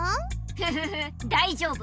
フフフだいじょうぶ。